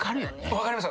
分かります